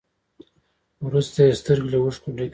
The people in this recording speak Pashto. وروسته يې سترګې له اوښکو ډکې شوې.